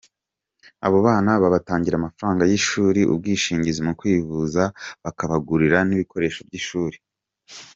Abo bana babatangra amafaranga y’ishuri, ubwishingiza mu kwivuza bakabagurira n’bikoresho by’ishuri.